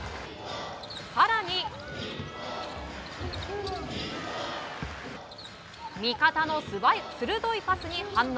更に、味方の鋭いパスに反応。